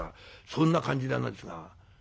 そんな感じなんですが。